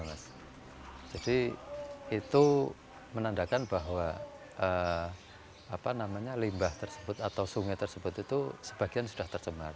jadi itu menandakan bahwa limbah tersebut atau sungai tersebut itu sebagian sudah tercemar